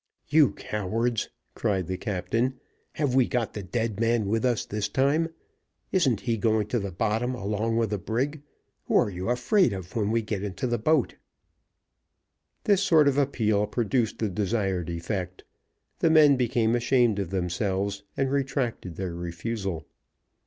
"You cowards!" cried the captain, "have we got the dead man with us this time? Isn't he going to the bottom along with the brig? Who are you afraid of when we get into the boat?" This sort of appeal produced the desired effect; the men became ashamed of themselves, and retracted their refusal.